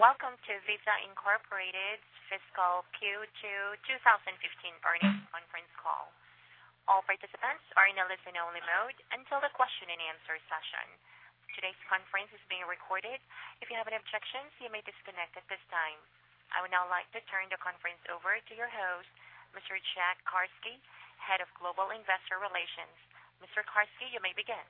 Welcome to Visa Inc.'s fiscal Q2 2015 earnings conference call. All participants are in a listen-only mode until the question and answer session. Today's conference is being recorded. If you have any objections, you may disconnect at this time. I would now like to turn the conference over to your host, Mr. Jack Carsky, Head of Global Investor Relations. Mr. Carsky, you may begin.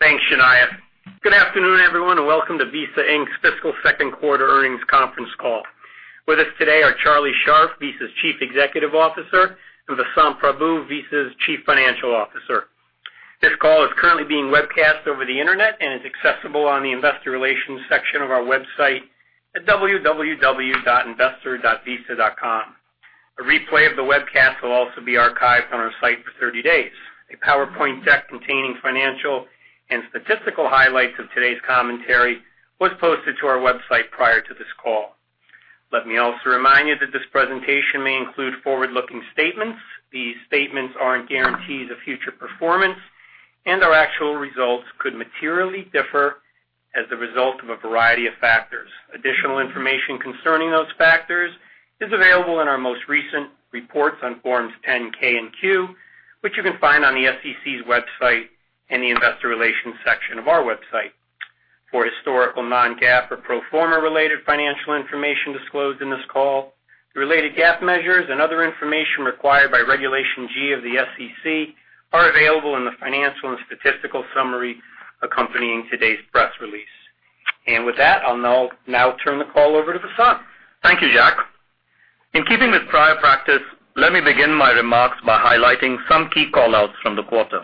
Thanks, Shanah. Good afternoon, everyone, and welcome to Visa Inc.'s fiscal second quarter earnings conference call. With us today are Charlie Scharf, Visa's Chief Executive Officer, and Vasant Prabhu, Visa's Chief Financial Officer. This call is currently being webcast over the internet and is accessible on the investor relations section of our website at www.investor.visa.com. A replay of the webcast will also be archived on our site for 30 days. A PowerPoint deck containing financial and statistical highlights of today's commentary was posted to our website prior to this call. Let me also remind you that this presentation may include forward-looking statements. These statements aren't guarantees of future performance. Our actual results could materially differ as the result of a variety of factors. Additional information concerning those factors is available in our most recent reports on forms 10-K and 10-Q, which you can find on the SEC's website and the investor relations section of our website. For historical non-GAAP or pro forma related financial information disclosed in this call, the related GAAP measures and other information required by Regulation G of the SEC are available in the financial and statistical summary accompanying today's press release. With that, I'll now turn the call over to Vasant. Thank you, Jack. In keeping with prior practice, let me begin my remarks by highlighting some key call-outs from the quarter.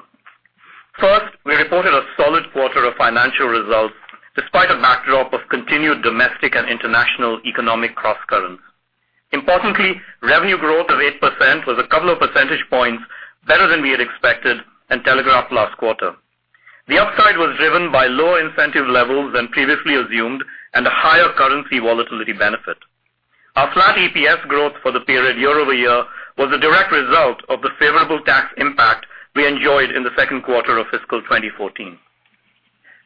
First, we reported a solid quarter of financial results despite a backdrop of continued domestic and international economic crosscurrents. Importantly, revenue growth of 8% was a couple of percentage points better than we had expected and telegraphed last quarter. The upside was driven by lower incentive levels than previously assumed and a higher currency volatility benefit. Our flat EPS growth for the period year-over-year was a direct result of the favorable tax impact we enjoyed in the second quarter of fiscal 2014.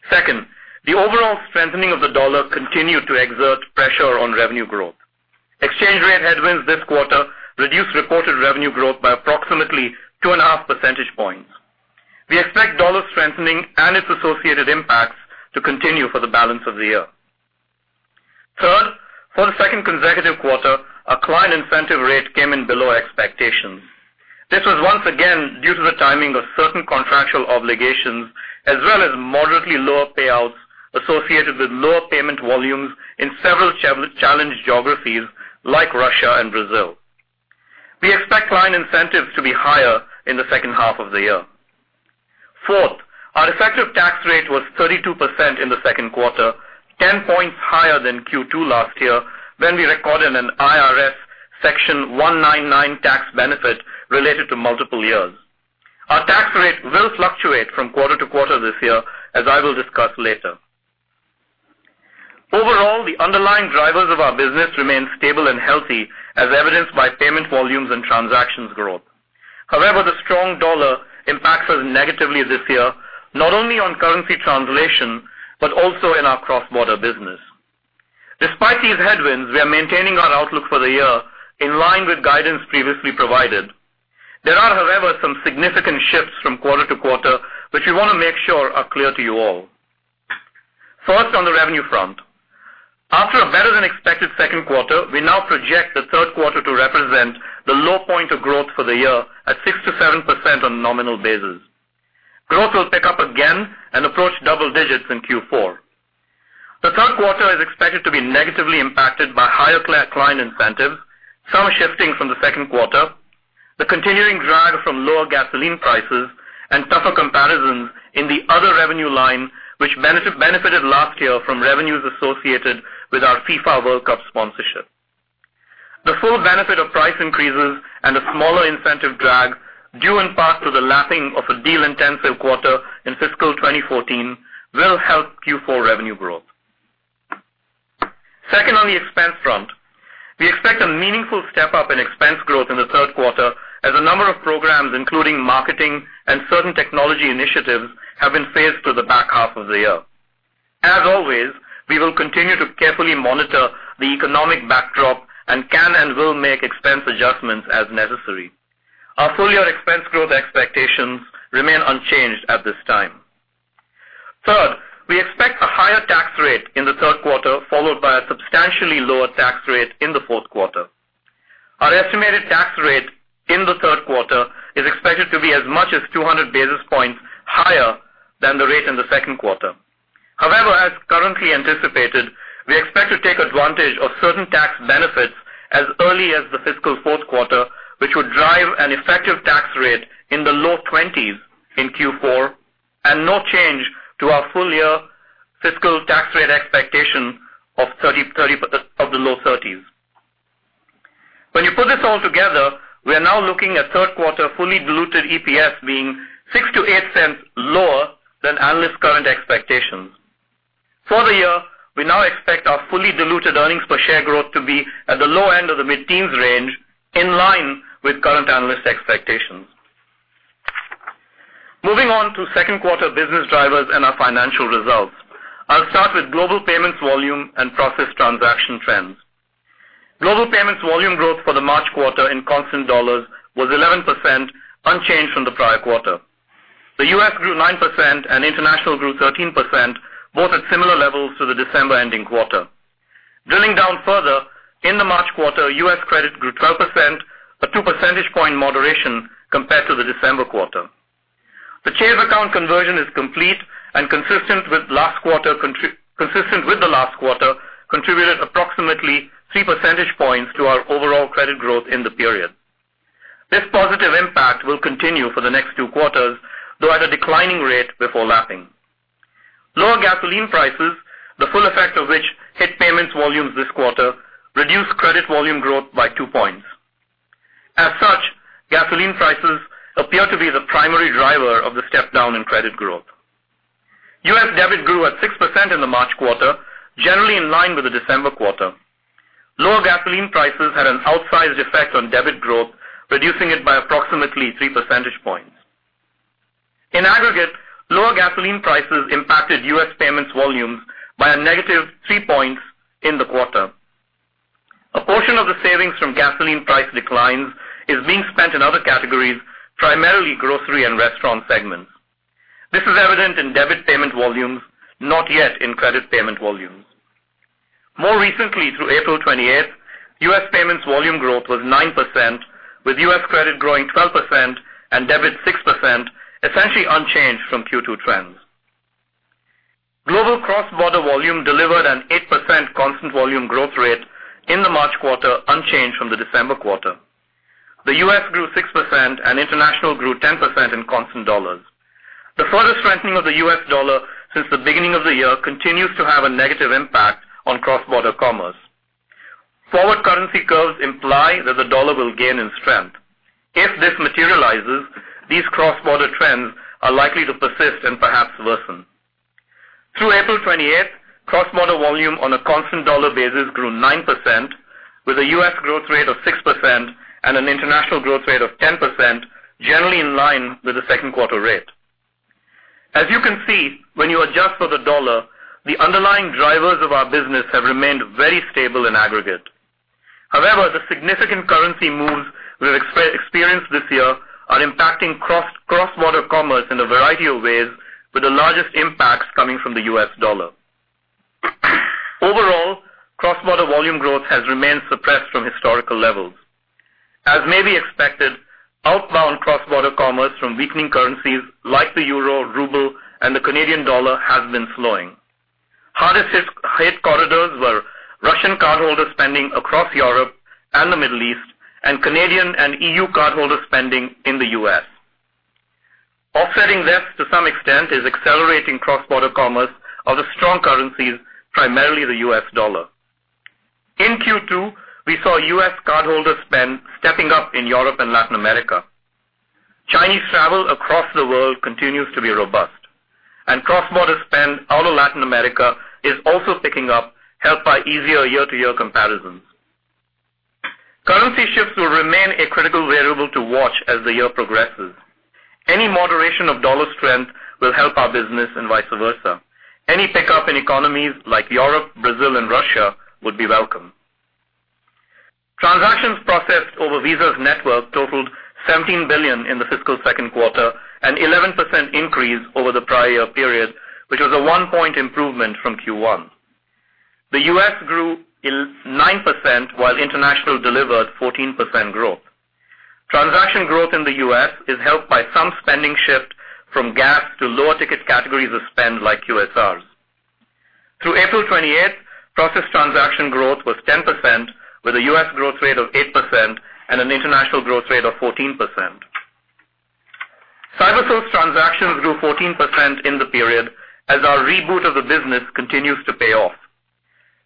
Second, the overall strengthening of the dollar continued to exert pressure on revenue growth. Exchange rate headwinds this quarter reduced reported revenue growth by approximately two and a half percentage points. We expect dollar strengthening and its associated impacts to continue for the balance of the year. Third, for the second consecutive quarter, our client incentive rate came in below expectations. This was once again due to the timing of certain contractual obligations as well as moderately lower payouts associated with lower payment volumes in several challenged geographies like Russia and Brazil. We expect client incentives to be higher in the second half of the year. Fourth, our effective tax rate was 32% in the second quarter, 10 points higher than Q2 last year, when we recorded an IRS Section 199 tax benefit related to multiple years. Our tax rate will fluctuate from quarter to quarter this year, as I will discuss later. Overall, the underlying drivers of our business remain stable and healthy, as evidenced by payment volumes and transactions growth. However, the strong dollar impacts us negatively this year, not only on currency translation, but also in our cross-border business. Despite these headwinds, we are maintaining our outlook for the year in line with guidance previously provided. There are, however, some significant shifts from quarter to quarter, which we want to make sure are clear to you all. First, on the revenue front. After a better-than-expected second quarter, we now project the third quarter to represent the low point of growth for the year at 6%-7% on a nominal basis. Growth will pick up again and approach double digits in Q4. The third quarter is expected to be negatively impacted by higher client incentives, some shifting from the second quarter, the continuing drag from lower gasoline prices, and tougher comparisons in the other revenue line, which benefited last year from revenues associated with our FIFA World Cup sponsorship. The full benefit of price increases and a smaller incentive drag due in part to the lapping of a deal-intensive quarter in fiscal 2014 will help Q4 revenue growth. Second, on the expense front, we expect a meaningful step-up in expense growth in the third quarter as a number of programs, including marketing and certain technology initiatives, have been phased to the back half of the year. As always, we will continue to carefully monitor the economic backdrop and can and will make expense adjustments as necessary. Our full-year expense growth expectations remain unchanged at this time. Third, we expect a higher tax rate in the third quarter, followed by a substantially lower tax rate in the fourth quarter. Our estimated tax rate in the third quarter is expected to be as much as 200 basis points higher than the rate in the second quarter. However, as currently anticipated, we expect to take advantage of certain tax benefits as early as the fiscal fourth quarter, which would drive an effective tax rate in the low 20s in Q4 and no change to our full-year fiscal tax rate expectation of the low 30s. When you put this all together, we are now looking at third quarter fully diluted EPS being $0.06-$0.08 lower than analysts' current expectations. For the year, we now expect our fully diluted earnings per share growth to be at the low end of the mid-teens range, in line with current analyst expectations. Moving on to second quarter business drivers and our financial results. I'll start with global payments volume and process transaction trends. Global payments volume growth for the March quarter in constant dollars was 11%, unchanged from the prior quarter. The U.S. grew 9% and international grew 13%, both at similar levels to the December-ending quarter. Drilling down further, in the March quarter, U.S. credit grew 12%, a two percentage point moderation compared to the December quarter. The Chase account conversion is complete and consistent with the last quarter, contributed approximately three percentage points to our overall credit growth in the period. This positive impact will continue for the next two quarters, though at a declining rate before lapping. Lower gasoline prices, the full effect of which hit payments volumes this quarter, reduced credit volume growth by two points. Gasoline prices appear to be the primary driver of the step-down in credit growth. U.S. debit grew at 6% in the March quarter, generally in line with the December quarter. Lower gasoline prices had an outsized effect on debit growth, reducing it by approximately three percentage points. In aggregate, lower gasoline prices impacted U.S. payments volumes by a negative three points in the quarter. A portion of the savings from gasoline price declines is being spent in other categories, primarily grocery and restaurant segments. This is evident in debit payment volumes, not yet in credit payment volumes. More recently, through April 28th, U.S. payments volume growth was 9%, with U.S. credit growing 12% and debit 6%, essentially unchanged from Q2 trends. Global cross-border volume delivered an 8% constant volume growth rate in the March quarter, unchanged from the December quarter. The U.S. grew 6% and international grew 10% in constant U.S. dollars. The further strengthening of the U.S. dollar since the beginning of the year continues to have a negative impact on cross-border commerce. Forward currency curves imply that the dollar will gain in strength. If this materializes, these cross-border trends are likely to persist and perhaps worsen. Through April 28th, cross-border volume on a constant U.S. dollar basis grew 9%, with a U.S. growth rate of 6% and an international growth rate of 10%, generally in line with the second quarter rate. As you can see, when you adjust for the dollar, the underlying drivers of our business have remained very stable in aggregate. The significant currency moves we've experienced this year are impacting cross-border commerce in a variety of ways, with the largest impacts coming from the U.S. dollar. Overall, cross-border volume growth has remained suppressed from historical levels. As may be expected, outbound cross-border commerce from weakening currencies like the euro, ruble, and the Canadian dollar has been slowing. Hardest hit corridors were Russian cardholder spending across Europe and the Middle East and Canadian and EU cardholder spending in the U.S. Offsetting this, to some extent, is accelerating cross-border commerce of the strong currencies, primarily the U.S. dollar. In Q2, we saw U.S. cardholder spend stepping up in Europe and Latin America. Chinese travel across the world continues to be robust, and cross-border spend out of Latin America is also picking up, helped by easier year-to-year comparisons. Currency shifts will remain a critical variable to watch as the year progresses. Any moderation of dollar strength will help our business and vice versa. Any pickup in economies like Europe, Brazil, and Russia would be welcome. Transactions processed over Visa's network totaled 17 billion in the fiscal second quarter, an 11% increase over the prior year period, which was a one-point improvement from Q1. The U.S. grew 9%, while international delivered 14% growth. Transaction growth in the U.S. is helped by some spending shift from gas to lower ticket categories of spend, like QSRs. Through April 28th, processed transaction growth was 10%, with a U.S. growth rate of 8% and an international growth rate of 14%. Cybersource transactions grew 14% in the period as our reboot of the business continues to pay off.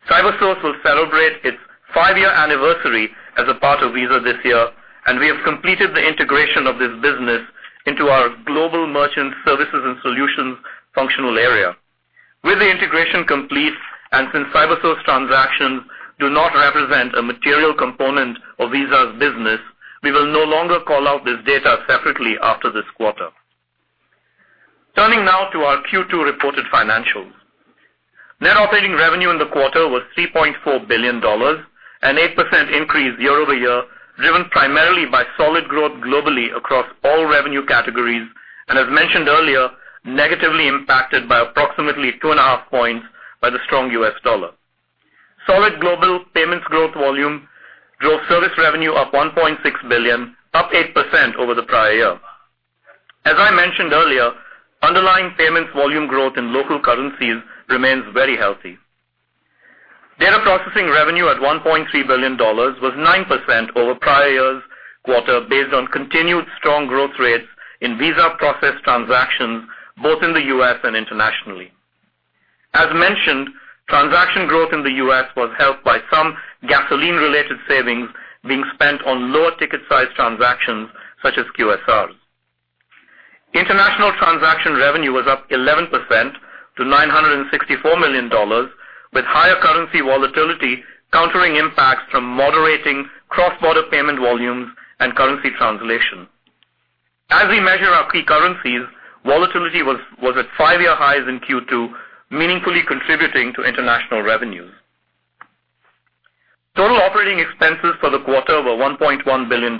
Cybersource will celebrate its five-year anniversary as a part of Visa this year, and we have completed the integration of this business into our global merchant services and solutions functional area. With the integration complete, and since Cybersource transactions do not represent a material component of Visa's business, we will no longer call out this data separately after this quarter. Turning now to our Q2 reported financials. Net operating revenue in the quarter was $3.4 billion, an 8% increase year-over-year, driven primarily by solid growth globally across all revenue categories and, as mentioned earlier, negatively impacted by approximately two and a half points by the strong U.S. dollar. Solid global payments growth volume drove service revenue up $1.6 billion, up 8% over the prior year. As I mentioned earlier, underlying payments volume growth in local currencies remains very healthy. Data processing revenue at $1.3 billion was 9% over prior year's quarter based on continued strong growth rates in Visa processed transactions both in the U.S. and internationally. As mentioned, transaction growth in the U.S. was helped by some gasoline-related savings being spent on lower ticket size transactions such as QSRs. International transaction revenue was up 11% to $964 million, with higher currency volatility countering impacts from moderating cross-border payment volumes and currency translation. As we measure our key currencies, volatility was at five-year highs in Q2, meaningfully contributing to international revenues. Total operating expenses for the quarter were $1.1 billion,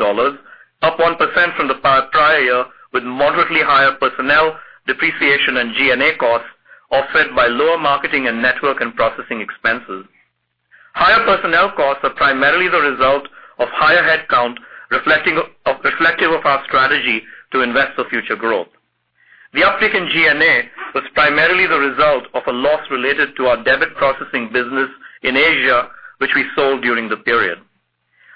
up 1% from the prior year, with moderately higher personnel depreciation and G&A costs offset by lower marketing and network and processing expenses. Higher personnel costs are primarily the result of higher headcount, reflective of our strategy to invest for future growth. The uptick in G&A was primarily the result of a loss related to our debit processing business in Asia, which we sold during the period.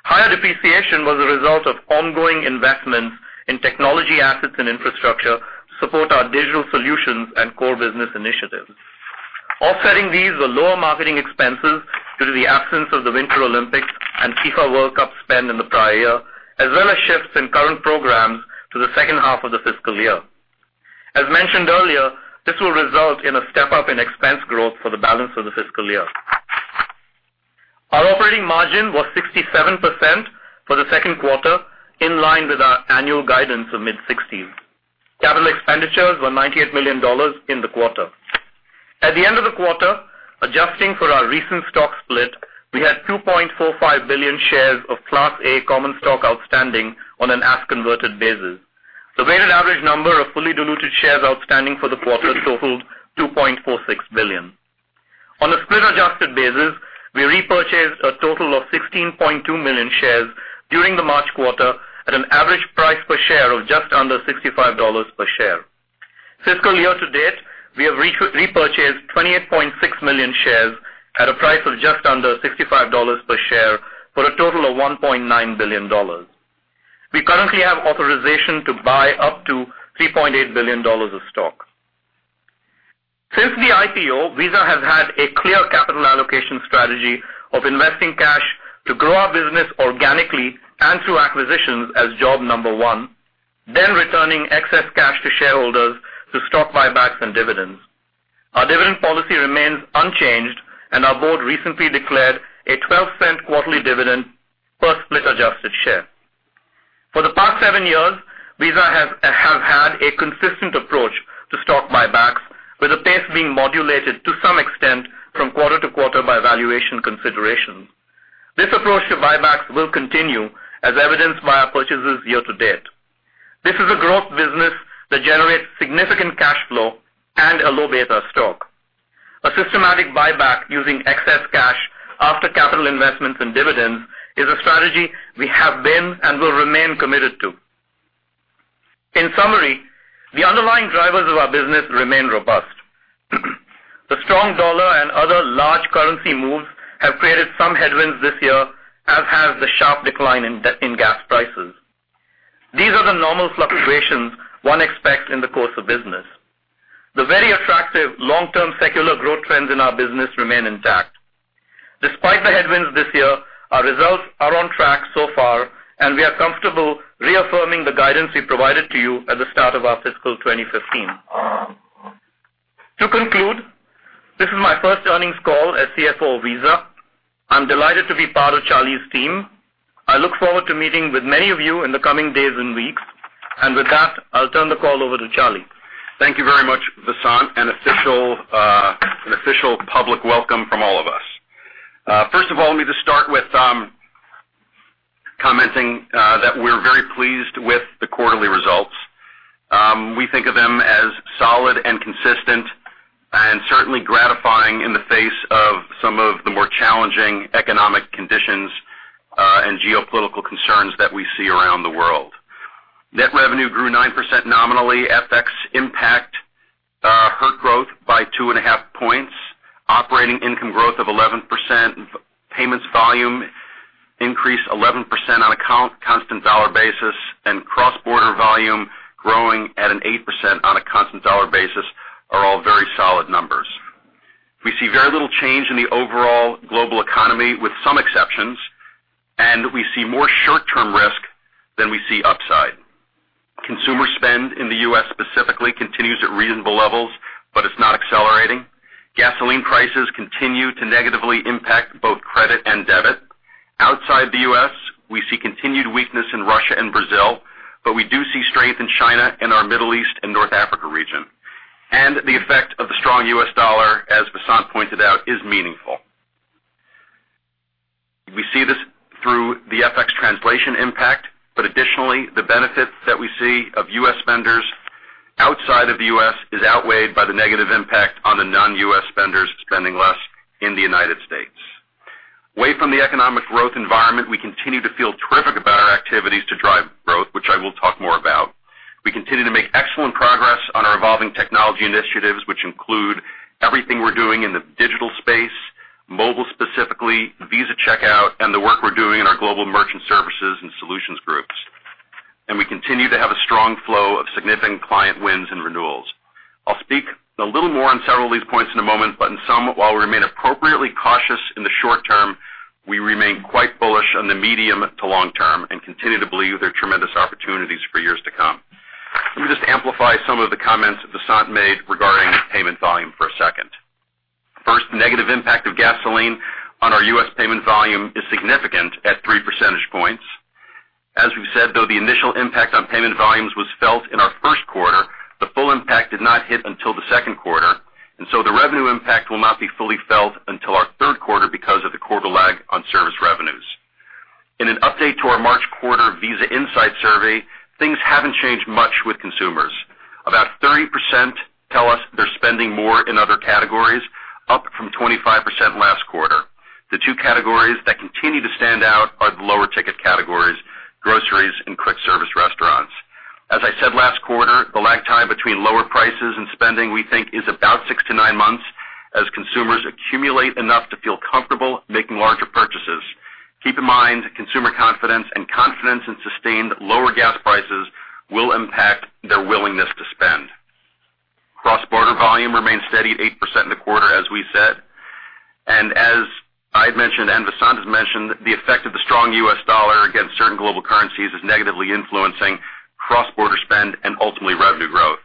Higher depreciation was a result of ongoing investments in technology assets and infrastructure to support our digital solutions and core business initiatives. Offsetting these were lower marketing expenses due to the absence of the Winter Olympics and FIFA World Cup spend in the prior year, as well as shifts in current programs to the second half of the fiscal year. As mentioned earlier, this will result in a step-up in expense growth for the balance of the fiscal year. Our operating margin was 67% for the second quarter, in line with our annual guidance of mid-60s. Capital expenditures were $98 million in the quarter. At the end of the quarter, adjusting for our recent stock split, we had 2.45 billion shares of Class A common stock outstanding on an as-converted basis. The weighted average number of fully diluted shares outstanding for the quarter totaled 2.46 billion. On a split-adjusted basis, we repurchased a total of 16.2 million shares during the March quarter at an average price per share of just under $65 per share. Fiscal year to date, we have repurchased 28.6 million shares at a price of just under $65 per share for a total of $1.9 billion. We currently have authorization to buy up to $3.8 billion of stock. Since the IPO, Visa has had a clear capital allocation strategy of investing cash to grow our business organically and through acquisitions as job number one, then returning excess cash to shareholders through stock buybacks and dividends. Our dividend policy remains unchanged, and our board recently declared a $0.12 quarterly dividend per split-adjusted share. For the past seven years, Visa has had a consistent approach to stock buybacks, with the pace being modulated to some extent from quarter to quarter by valuation consideration. This approach to buybacks will continue, as evidenced by our purchases year to date. This is a growth business that generates significant cash flow and a low beta stock. A systematic buyback using excess cash after capital investments and dividends is a strategy we have been and will remain committed to. In summary, the underlying drivers of our business remain robust. The strong dollar and other large currency moves have created some headwinds this year, as has the sharp decline in gas prices. These are the normal fluctuations one expects in the course of business. The very attractive long-term secular growth trends in our business remain intact. Despite the headwinds this year, our results are on track so far, and we are comfortable reaffirming the guidance we provided to you at the start of our fiscal 2015. To conclude, this is my first earnings call as CFO of Visa. I'm delighted to be part of Charlie's team. I look forward to meeting with many of you in the coming days and weeks. With that, I'll turn the call over to Charlie. Thank you very much, Vasant. An official public welcome from all of us. First of all, let me just start with commenting that we're very pleased with the quarterly results. We think of them as solid and consistent and certainly gratifying in the face of some of the more challenging economic conditions and geopolitical concerns that we see around the world. Net revenue grew 8% nominally. FX impact hurt growth by two and a half points. Operating income growth of 11%, payments volume increased 11% on a constant dollar basis, and cross-border volume growing at an 8% on a constant dollar basis are all very solid numbers. We see very little change in the overall global economy, with some exceptions, and we see more short-term risk than we see upside. Consumer spend in the U.S. specifically continues at reasonable levels, but it's not accelerating. Gasoline prices continue to negatively impact both credit and debit. Outside the U.S., we see continued weakness in Russia and Brazil, but we do see strength in China and our Middle East and North Africa region. The effect of the strong U.S. dollar, as Vasant pointed out, is meaningful. We see this through the FX translation impact, but additionally, the benefit that we see of U.S. spenders outside of the U.S. is outweighed by the negative impact on the non-U.S. spenders spending less in the United States. Away from the economic growth environment, we continue to feel terrific about our activities to drive growth, which I will talk more about. We continue to make excellent progress on our evolving technology initiatives, which include everything we're doing in the digital space, mobile specifically, Visa Checkout, and the work we're doing in our global merchant services and solutions groups. We continue to have a strong flow of significant client wins and renewals. I'll speak a little more on several of these points in a moment, but in sum, while we remain appropriately cautious in the short term, we remain quite bullish on the medium to long term and continue to believe there are tremendous opportunities for years to come. Let me just amplify some of the comments Vasant made regarding payment volume for a second. First, negative impact of gasoline on our U.S. payment volume is significant at three percentage points. As we've said, though, the initial impact on payment volumes was felt in our first quarter, the full impact did not hit until the second quarter, so the revenue impact will not be fully felt until our third quarter because of the quarter lag on service revenues. In an update to our March quarter Visa Insight Survey, things haven't changed much with consumers. About 30% tell us they're spending more in other categories, up from 25% last quarter. The two categories that continue to stand out are the lower-ticket categories, groceries and quick-service restaurants. As I said last quarter, the lag time between lower prices and spending, we think, is about six to nine months as consumers accumulate enough to feel comfortable making larger purchases. Keep in mind, consumer confidence and confidence in sustained lower gas prices will impact their willingness to spend. Cross-border volume remains steady at 8% in the quarter, as we said. As I had mentioned and Vasant has mentioned, the effect of the strong U.S. dollar against certain global currencies is negatively influencing cross-border spend and ultimately revenue growth.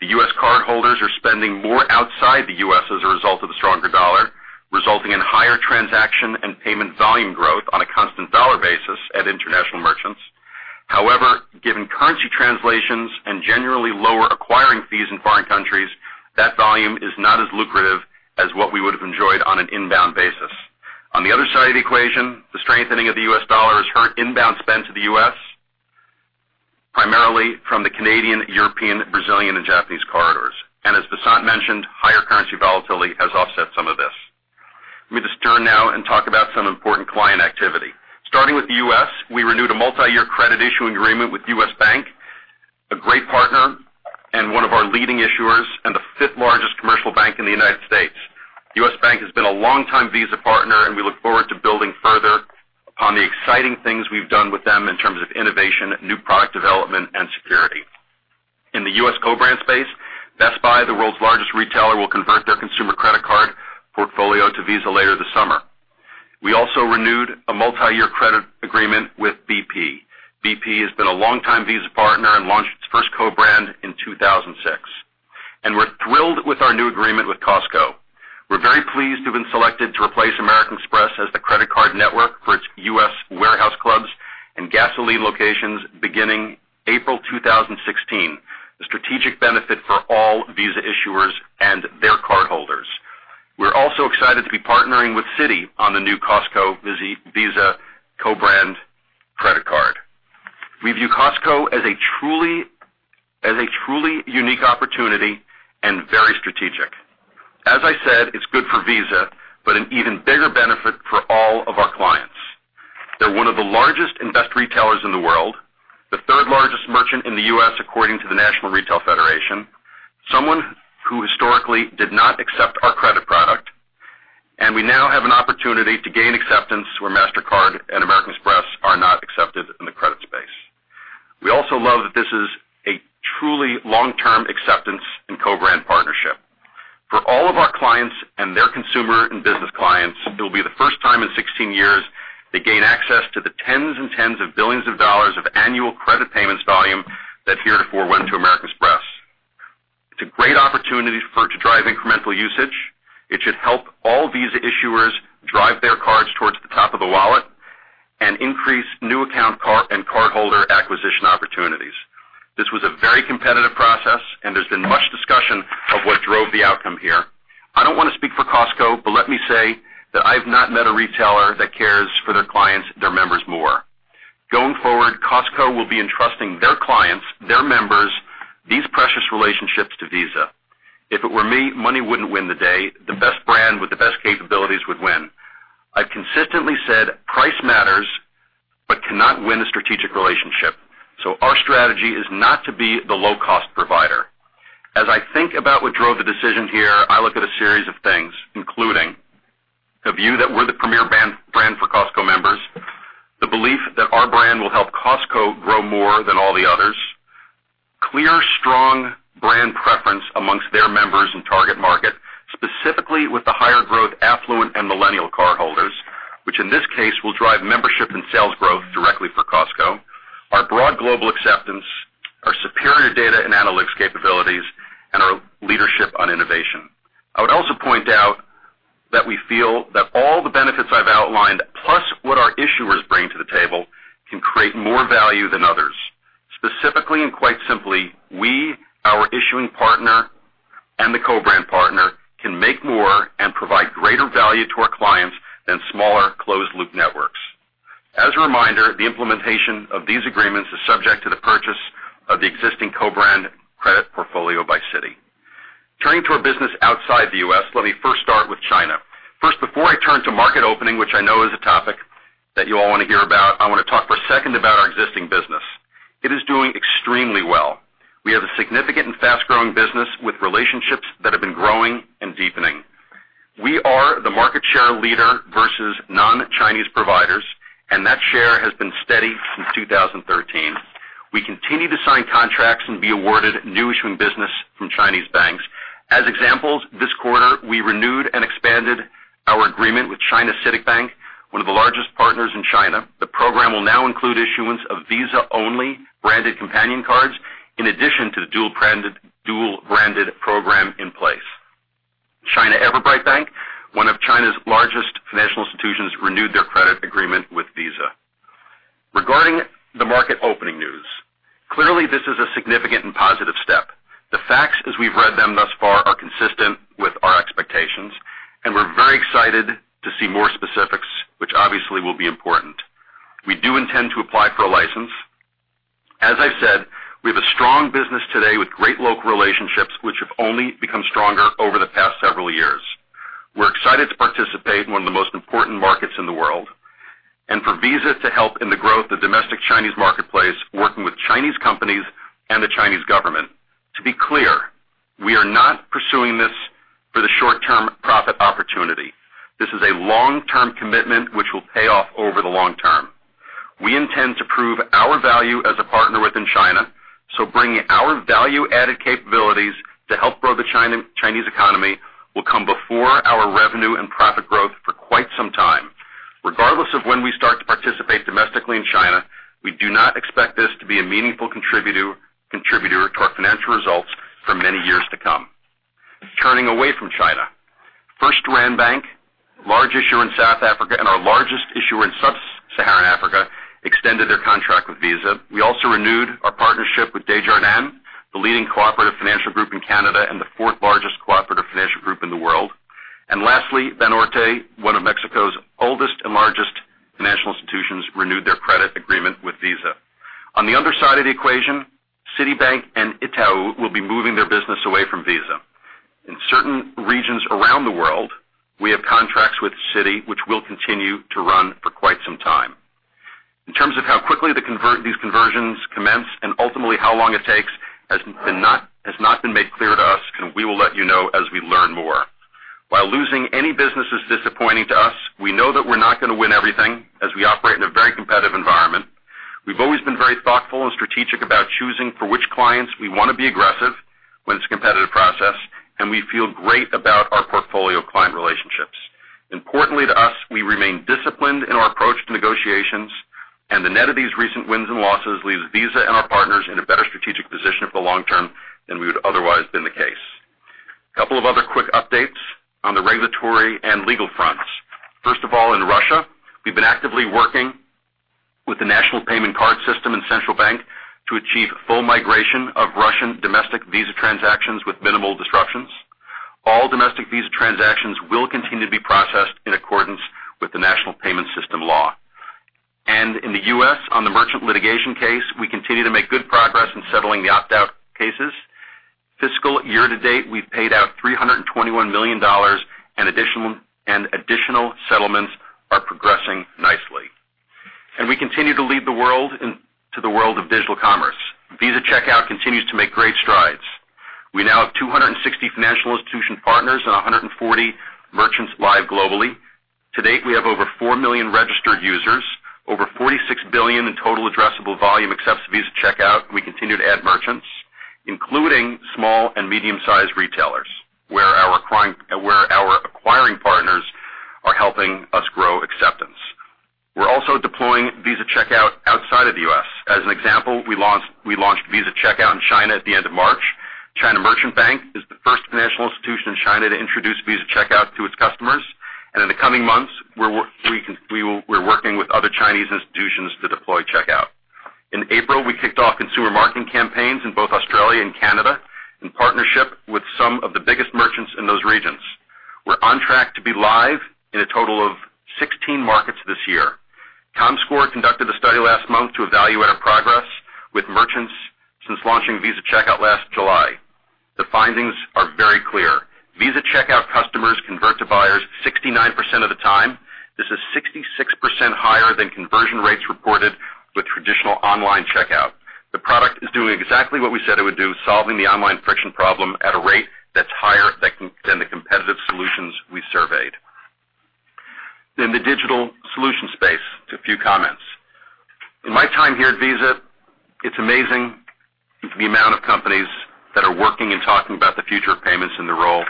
The U.S. cardholders are spending more outside the U.S. as a result of the stronger dollar, resulting in higher transaction and payment volume growth on a constant dollar basis at international merchants. However, given currency translations and generally lower acquiring fees in foreign countries, that volume is not as lucrative as what we would have enjoyed on an inbound basis. On the other side of the equation, the strengthening of the U.S. dollar has hurt inbound spend to the U.S., primarily from the Canadian, European, Brazilian, and Japanese corridors. As Vasant mentioned, higher currency volatility has offset some of this. Let me just turn now and talk about some important client activity. Starting with the U.S., we renewed a multi-year credit issuing agreement with U.S. Bank, a great partner and one of our leading issuers and the fifth-largest commercial bank in the United States. U.S. Bank has been a long-time Visa partner, we look forward to building further upon the exciting things we've done with them in terms of innovation, new product development, and security. In the U.S. co-brand space, Best Buy, the world's largest retailer, will convert their consumer credit card portfolio to Visa later this summer. We also renewed a multi-year credit agreement with BP. BP has been a long-time Visa partner and launched its first co-brand in 2006. We're thrilled with our new agreement with Costco. We're very pleased to have been selected to replace American Express as the credit card network for its U.S. warehouse clubs and gasoline locations beginning April 2016, a strategic benefit for all Visa issuers and their cardholders. We're also excited to be partnering with Citi on the new Costco Visa co-brand credit card. We view Costco as a truly unique opportunity and very strategic. As I said, it's good for Visa, but an even bigger benefit for all of our clients. They're one of the largest and best retailers in the world, the third-largest merchant in the U.S. according to the National Retail Federation, someone who historically did not accept our credit product, we now have an opportunity to gain acceptance where Mastercard and American Express are not accepted in the credit space. We also love that this is a truly long-term acceptance and co-brand partnership. For all of our clients and their consumer and business clients, it will be the first time in 16 years they gain access to the tens and tens of billions of dollars of annual credit payments volume that heretofore went to American Express. It's a great opportunity for it to drive incremental usage. It should help all Visa issuers drive their cards towards the top of the wallet and increase new account and cardholder acquisition opportunities. This was a very competitive process, there's been much discussion of what drove the outcome here. I don't want to speak for Costco, but let me say that I've not met a retailer that cares for their clients, their members more. Going forward, Costco will be entrusting their clients, their members, these precious relationships to Visa. If it were me, money wouldn't win the day. The best brand with the best capabilities would win. I've consistently said price matters but cannot win a strategic relationship. Our strategy is not to be the low-cost provider. As I think about what drove the decision here, I look at a series of things, including the view that we're the premier brand for Costco members, the belief that our brand will help Costco grow more than all the others, clear strong brand preference amongst their members and target market, specifically with the higher growth affluent and millennial cardholders, which in this case will drive membership and sales growth directly for Costco, our broad global acceptance, our superior data and analytics capabilities, and our leadership on innovation. I would also point out that we feel that all the benefits I've outlined, plus what our issuers bring to the table, can create more value than others. Specifically and quite simply, we, our issuing partner, and the co-brand partner can make more and provide greater value to our clients than smaller closed-loop networks. As a reminder, the implementation of these agreements is subject to the purchase of the existing co-brand credit portfolio by Citi. Turning to our business outside the U.S., let me first start with China. First, before I turn to market opening, which I know is a topic that you all want to hear about, I want to talk for a second about our existing business. It is doing extremely well. We have a significant and fast-growing business with relationships that have been growing and deepening. We are the market share leader versus non-Chinese providers, and that share has been steady since 2013. We continue to sign contracts and be awarded new issuing business from Chinese banks. As examples, this quarter, we renewed and expanded our agreement with China CITIC Bank, one of the largest partners in China. The program will now include issuance of Visa-only branded companion cards, in addition to the dual-branded program in place. China Everbright Bank, one of China's largest financial institutions, renewed their credit agreement with Visa. Regarding the market opening news, clearly this is a significant and positive step. The facts, as we've read them thus far, are consistent with our expectations, and we're very excited to see more specifics, which obviously will be important. We do intend to apply for a license. As I said, we have a strong business today with great local relationships, which have only become stronger over the past several years. We're excited to participate in one of the most important markets in the world, and for Visa to help in the growth of domestic Chinese marketplace, working with Chinese companies and the Chinese government. To be clear, we are not pursuing this for the short-term profit opportunity. This is a long-term commitment which will pay off over the long term. We intend to prove our value as a partner within China, so bringing our value-added capabilities to help grow the Chinese economy will come before our revenue and profit growth for quite some time. Regardless of when we start to participate domestically in China, we do not expect this to be a meaningful contributor to our financial results for many years to come. Turning away from China. FirstRand Bank, large issuer in South Africa and our largest issuer in Sub-Saharan Africa, extended their contract with Visa. We also renewed our partnership with Desjardins, the leading cooperative financial group in Canada and the fourth-largest cooperative financial group in the world. Lastly, Banorte, one of Mexico's oldest and largest financial institutions, renewed their credit agreement with Visa. On the other side of the equation, Citibank and Itaú will be moving their business away from Visa. In certain regions around the world, we have contracts with Citi, which will continue to run for quite some time. In terms of how quickly these conversions commence and ultimately how long it takes has not been made clear to us, and we will let you know as we learn more. While losing any business is disappointing to us, we know that we're not going to win everything, as we operate in a very competitive environment. We've always been very thoughtful and strategic about choosing for which clients we want to be aggressive when it's a competitive process, and we feel great about our portfolio client relationships. Importantly to us, we remain disciplined in our approach to negotiations. The net of these recent wins and losses leaves Visa and our partners in a better strategic position for the long term than we would otherwise been the case. A couple of other quick updates on the regulatory and legal fronts. First of all, in Russia, we've been actively working with the National Payment Card System and Central Bank to achieve full migration of Russian domestic Visa transactions with minimal disruptions. All domestic Visa transactions will continue to be processed in accordance with the National Payment System law. In the U.S., on the merchant litigation case, we continue to make good progress in settling the opt-out cases. Fiscal year to date, we've paid out $321 million, and additional settlements are progressing nicely. We continue to lead the world into the world of digital commerce. Visa Checkout continues to make great strides. We now have 260 financial institution partners and 140 merchants live globally. To date, we have over four million registered users, over 46 billion in total addressable volume accepts Visa Checkout. We continue to add merchants, including small and medium-sized retailers, where our acquiring partners are helping us grow acceptance. We're also deploying Visa Checkout outside of the U.S. As an example, we launched Visa Checkout in China at the end of March. China Merchants Bank is the first financial institution in China to introduce Visa Checkout to its customers. In the coming months, we're working with other Chinese institutions to deploy checkout. In April, we kicked off consumer marketing campaigns in both Australia and Canada, in partnership with some of the biggest merchants in those regions. We're on track to be live in a total of 16 markets this year. Comscore conducted a study last month to evaluate our progress with merchants since launching Visa Checkout last July. The findings are very clear. Visa Checkout customers convert to buyers 69% of the time. This is 66% higher than conversion rates reported with traditional online checkout. The product is doing exactly what we said it would do, solving the online friction problem at a rate that's higher than the competitive solutions we surveyed. In the digital solution space, a few comments. In my time here at Visa, it's amazing the amount of companies that are working and talking about the future of payments and their role,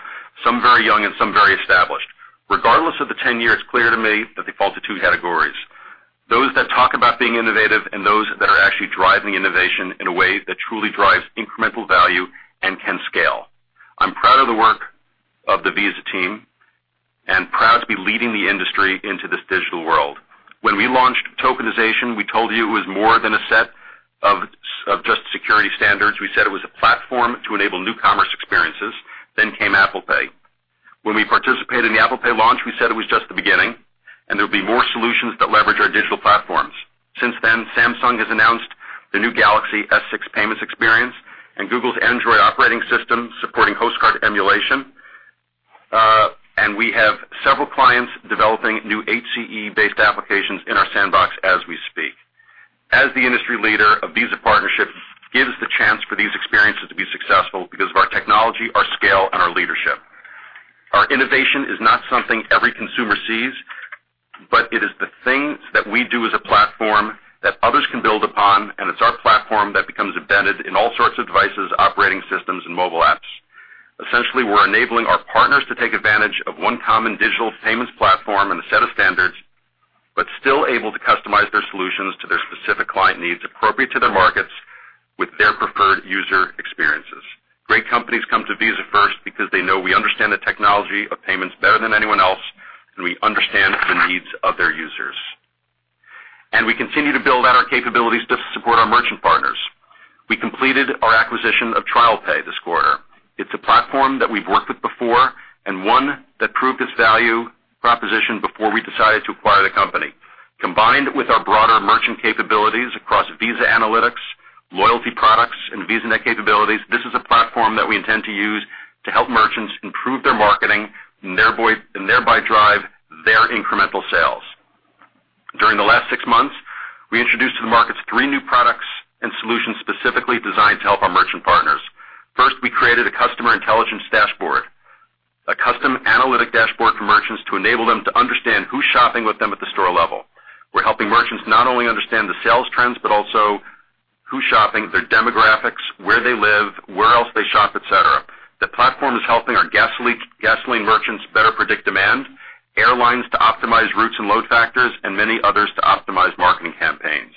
some very young and some very established. Regardless of the tenured, it's clear to me that they fall to two categories: those that talk about being innovative and those that are actually driving innovation in a way that truly drives incremental value and can scale. I'm proud of the work of the Visa team and proud to be leading the industry into this digital world. When we launched tokenization, we told you it was more than a set of just security standards. We said it was a platform to enable new commerce experiences. Came Apple Pay. When we participated in the Apple Pay launch, we said it was just the beginning. There would be more solutions that leverage our digital platforms. Since then, Samsung has announced the new Galaxy S6 payments experience and Google's Android operating system supporting host card emulation. We have several clients developing new HCE-based applications in our sandbox as we speak. As the industry leader, a Visa partnership gives the chance for these experiences to be successful because of our technology, our scale, and our leadership. Our innovation is not something every consumer sees, but it is the things that we do as a platform that others can build upon, and it's our platform that becomes embedded in all sorts of devices, operating systems, and mobile apps. Essentially, we're enabling our partners to take advantage of one common digital payments platform and a set of standards, but still able to customize their solutions to their specific client needs appropriate to their markets with their preferred user experiences. Great companies come to Visa first because they know we understand the technology of payments better than anyone else, and we understand the needs of their users. We continue to build out our capabilities to support our merchant partners. We completed our acquisition of TrialPay this quarter. It's a platform that we've worked with before and one that proved its value proposition before we decided to acquire the company. Combined with our broader merchant capabilities across Visa Analytics, loyalty products, and VisaNet capabilities, this is a platform that we intend to use to help merchants improve their marketing and thereby drive their incremental sales. During the last six months, we introduced to the markets three new products and solutions specifically designed to help our merchant partners. First, we created a customer intelligence dashboard, a custom analytic dashboard for merchants to enable them to understand who's shopping with them at the store level. We're helping merchants not only understand the sales trends, but also who's shopping, their demographics, where they live, where else they shop, et cetera. The platform is helping our gasoline merchants better predict demand, airlines to optimize routes and load factors, and many others to optimize marketing campaigns.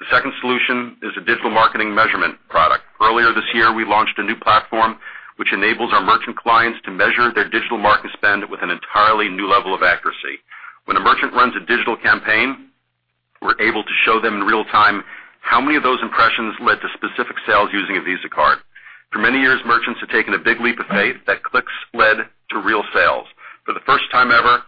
The second solution is a digital marketing measurement product. Earlier this year, we launched a new platform which enables our merchant clients to measure their digital market spend with an entirely new level of accuracy. When a merchant runs a digital campaign, we're able to show them in real time how many of those impressions led to specific sales using a Visa card. For many years, merchants have taken a big leap of faith that clicks led to real sales. For the first time ever,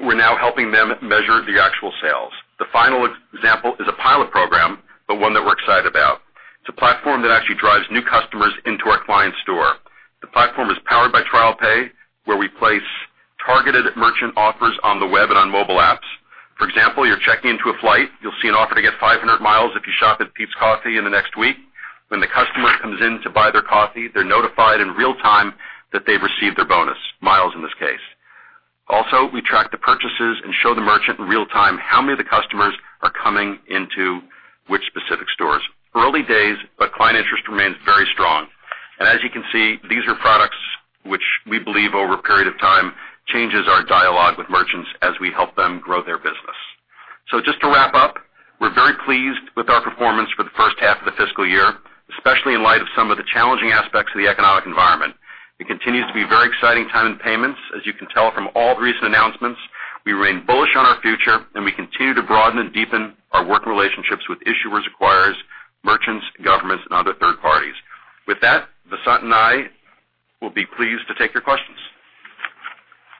we're now helping them measure the actual sales. The final example is a pilot program, but one that we're excited about. It's a platform that actually drives new customers into our client store. The platform is powered by TrialPay, where we place targeted merchant offers on the web and on mobile apps. For example, you're checking into a flight, you'll see an offer to get 500 miles if you shop at Peet's Coffee in the next week. When the customer comes in to buy their coffee, they're notified in real time that they've received their bonus, miles in this case. We track the purchases and show the merchant in real time how many of the customers are coming into which specific stores. Early days, but client interest remains very strong. As you can see, these are products which we believe over a period of time changes our dialogue with merchants as we help them grow their business. Just to wrap up, we're very pleased with our performance for the first half of the fiscal year, especially in light of some of the challenging aspects of the economic environment. It continues to be a very exciting time in payments. As you can tell from all the recent announcements, we remain bullish on our future, and we continue to broaden and deepen our working relationships with issuers, acquirers, merchants, governments, and other third parties. With that, Vasant and I will be pleased to take your questions.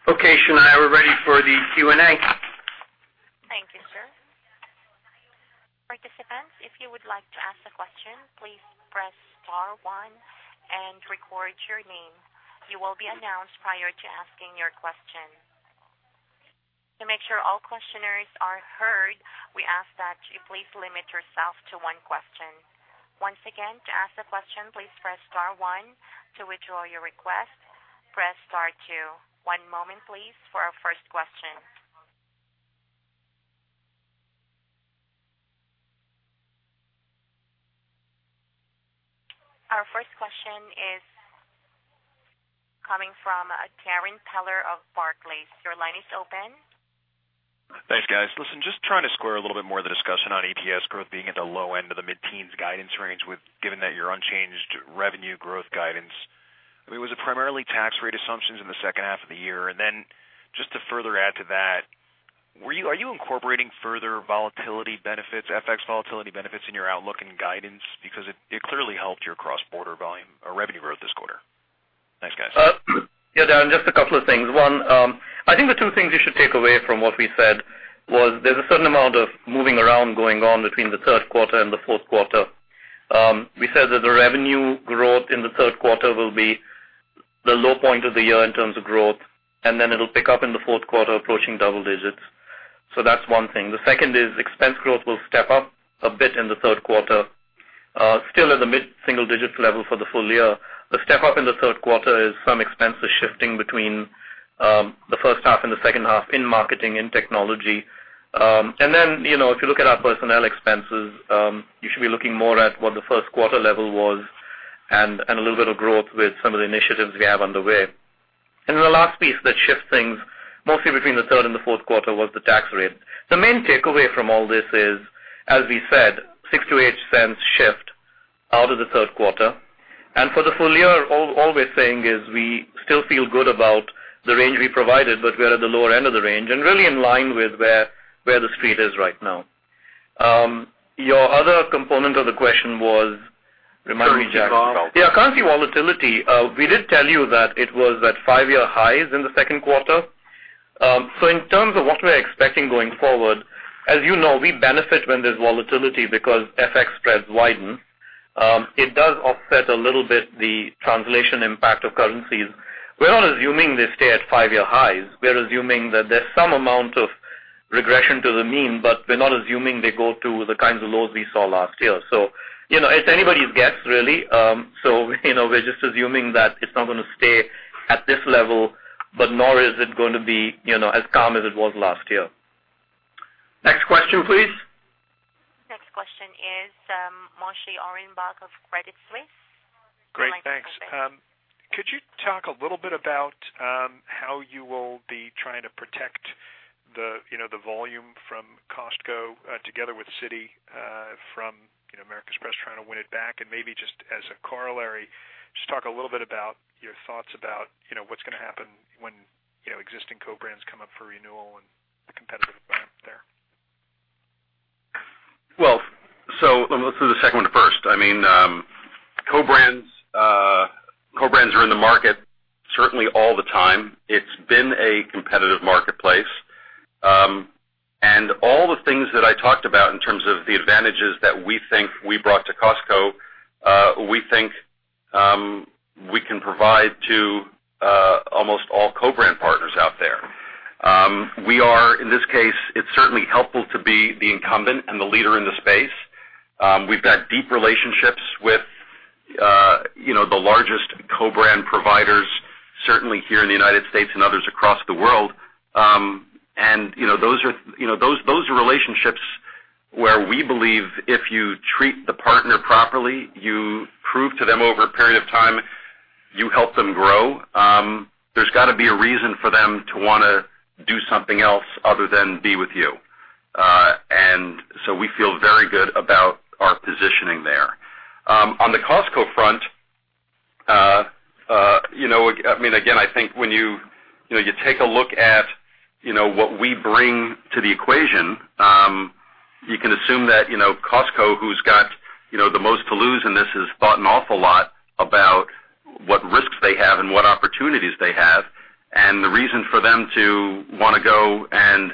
Okay, Shanah, we're ready for the Q&A. Thank you, sir. Participants, if you would like to ask a question, please press star one and record your name. You will be announced prior to asking your question. To make sure all questioners are heard, we ask that you please limit yourself to one question. Once again, to ask the question, please press star one. To withdraw your request, press star two. One moment please for our first question. Our first question is coming from Darrin Peller of Barclays. Your line is open. Thanks, guys. Listen, just trying to square a little bit more of the discussion on EPS growth being at the low end of the mid-teens guidance range given that your unchanged revenue growth guidance. I mean, was it primarily tax rate assumptions in the second half of the year? Just to further add to that, are you incorporating further volatility benefits, FX volatility benefits in your outlook and guidance? Because it clearly helped your cross-border volume or revenue growth this quarter. Thanks, guys. Darrin, just a couple of things. One, I think the two things you should take away from what we said was there's a certain amount of moving around going on between the third quarter and the fourth quarter. We said that the revenue growth in the third quarter will be the low point of the year in terms of growth, then it'll pick up in the fourth quarter, approaching double digits. That's one thing. The second is expense growth will step up a bit in the third quarter, still at the mid-single digits level for the full year. The step-up in the third quarter is some expenses shifting between the first half and the second half in marketing and technology. If you look at our personnel expenses, you should be looking more at what the first quarter level was and a little bit of growth with some of the initiatives we have underway. The last piece that shifts things mostly between the third and the fourth quarter was the tax rate. The main takeaway from all this is, as we said, $0.06-$0.08 shift out of the third quarter. For the full year, all we're saying is we still feel good about the range we provided, but we're at the lower end of the range and really in line with where the street is right now. Your other component of the question was, remind me, Jack. Currency volatility. Currency volatility. We did tell you that it was at 5-year highs in the second quarter. In terms of what we're expecting going forward, as you know, we benefit when there's volatility because FX spreads widen. It does offset a little bit the translation impact of currencies. We're not assuming they stay at 5-year highs. We're assuming that there's some amount of regression to the mean, but we're not assuming they go to the kinds of lows we saw last year. It's anybody's guess, really. We're just assuming that it's not going to stay at this level, but nor is it going to be as calm as it was last year. Next question, please. Next question is Moshe Orenbuch of Credit Suisse. Great, thanks. Could you talk a little bit about how you will be trying to protect the volume from Costco, together with Citi from American Express trying to win it back? Maybe just as a corollary, just talk a little bit about your thoughts about what's going to happen when existing co-brands come up for renewal and the competitive environment there. Let's do the second one first. Co-brands are in the market certainly all the time. It's been a competitive marketplace. All the things that I talked about in terms of the advantages that we think we brought to Costco, we think we can provide to almost all co-brand partners out there. In this case, it's certainly helpful to be the incumbent and the leader in the space. We've got deep relationships with the largest co-brand providers, certainly here in the U.S. and others across the world. Those are relationships where we believe if you treat the partner properly, you prove to them over a period of time, you help them grow. There's got to be a reason for them to want to do something else other than be with you. We feel very good about our positioning there. On the Costco front, again, I think when you take a look at what we bring to the equation, you can assume that Costco, who's got the most to lose in this, has thought an awful lot about what risks they have and what opportunities they have. The reason for them to want to go and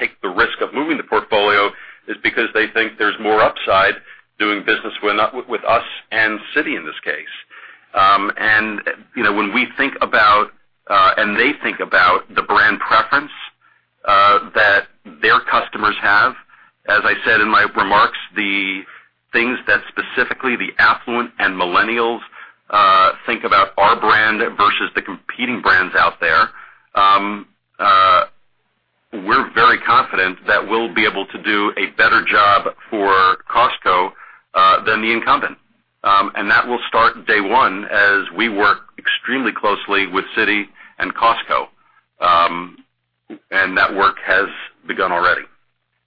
take the risk of moving the portfolio is because they think there's more upside doing business with us and Citi, in this case. When we think about, and they think about the brand preference that their customers have, as I said in my remarks, the things that specifically the affluent and millennials think about our brand versus the competing brands out there, we're very confident that we'll be able to do a better job for Costco than the incumbent. That will start day one as we work extremely closely with Citi and Costco. That work has begun already.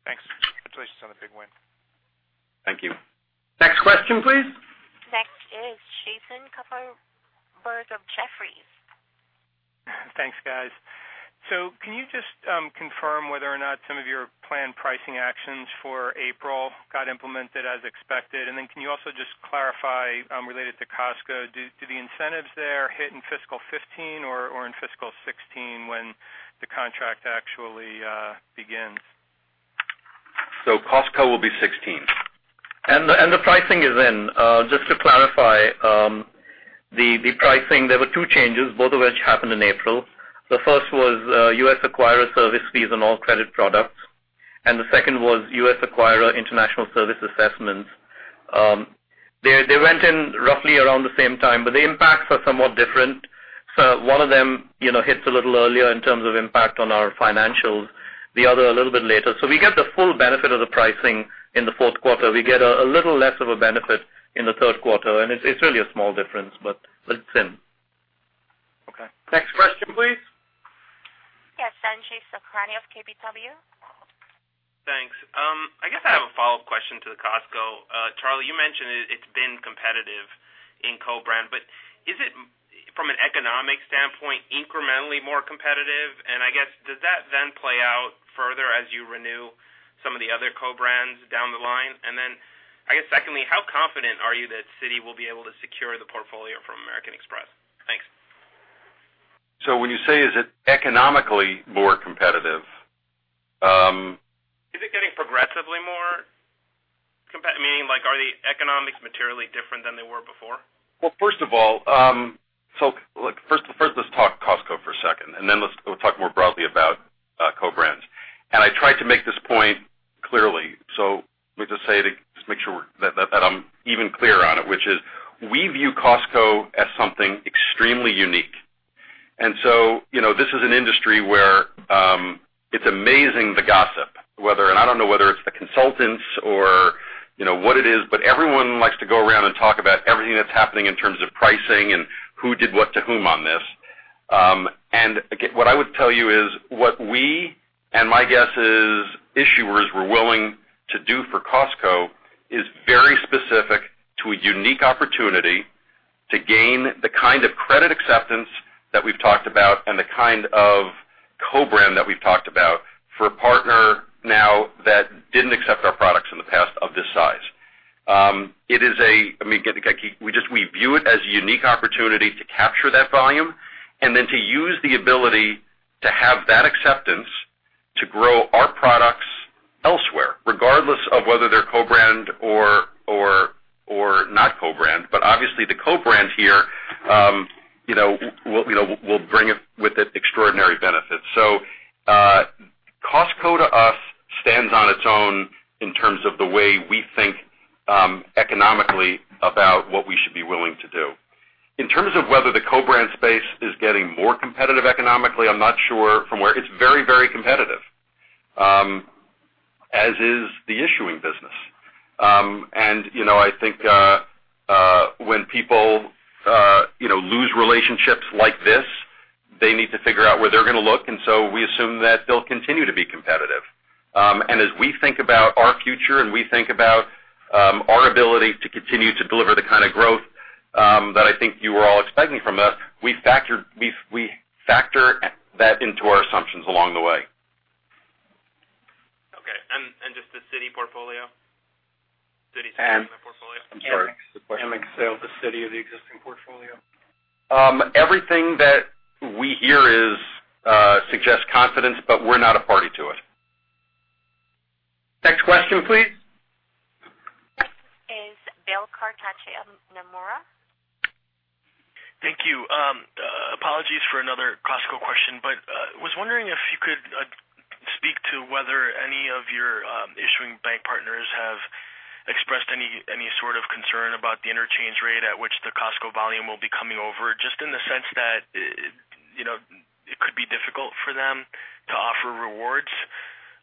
Thanks. Congratulations on the big win. Thank you. Next question, please. Next is Jason Kupferberg of Jefferies. Thanks, guys. Can you just confirm whether or not some of your planned pricing actions for April got implemented as expected? Can you also just clarify, related to Costco, do the incentives there hit in fiscal 2015 or in fiscal 2016 when the contract actually begins? Costco will be 2016. The pricing is in. Just to clarify, the pricing, there were two changes, both of which happened in April. The first was U.S. acquirer service fees on all credit products, and the second was U.S. acquirer international service assessments. They went in roughly around the same time, but the impacts are somewhat different. One of them hits a little earlier in terms of impact on our financials, the other a little bit later. We get the full benefit of the pricing in the fourth quarter. We get a little less of a benefit in the third quarter, and it's really a small difference, but it's in. Okay. Next question, please. Yes. Sanjay Sakhrani of KBW. Thanks. I guess I have a follow-up question to the Costco. Charlie, you mentioned it's been competitive in co-brand, but is it, from an economic standpoint, incrementally more competitive? I guess, does that then play out further as you renew some of the other co-brands down the line? I guess secondly, how confident are you that Citi will be able to secure the portfolio from American Express? Thanks. When you say, is it economically more competitive? Is it getting progressively more competitive, meaning are the economics materially different than they were before? First of all, first let's talk Costco for a second, then let's talk more broadly about co-brands. I tried to make this point clearly. Let me just say to just make sure that I'm even clearer on it, which is, we view Costco as something extremely unique. This is an industry where it's amazing the gossip, I don't know whether it's the consultants or what it is, but everyone likes to go around and talk about everything that's happening in terms of pricing and who did what to whom on this. What I would tell you is what we, and my guess is issuers were willing to do for Costco, is very specific to a unique opportunity to gain the kind of credit acceptance that we've talked about and the kind of co-brand that we've talked about for a partner now that didn't accept our products in the past of this size. We view it as a unique opportunity to capture that volume and then to use the ability to have that acceptance to grow our products elsewhere, regardless of whether they're co-brand or not co-brand. Obviously the co-brand here will bring with it extraordinary benefits. Costco to us stands on its own in terms of the way we think economically about what we should be willing to do. In terms of whether the co-brand space is getting more competitive economically, I'm not sure from where. It's very competitive, as is the issuing business. I think when people lose relationships like this, they need to figure out where they're going to look, and so we assume that they'll continue to be competitive. As we think about our future and we think about our ability to continue to deliver the kind of growth that I think you were all expecting from us, we factor that into our assumptions along the way. Okay. Just the Citi portfolio? Citi's side of the portfolio. I'm sorry. Can Amex sell the Citi of the existing portfolio? Everything that we hear suggests confidence, we're not a party to it. Next question, please. Next is Bill Carcache of Nomura. Thank you. Apologies for another Costco question, I was wondering if you could speak to whether any of your issuing bank partners have expressed any sort of concern about the interchange rate at which the Costco volume will be coming over, just in the sense that it could be difficult for them to offer rewards